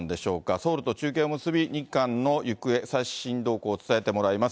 ソウルと中継を結び、日韓の行方、最新動向を伝えてもらいます。